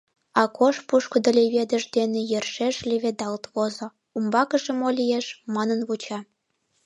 Акош пушкыдо леведыш дене йӧршеш леведалт возо, умбакыже мо лиеш, манын вуча.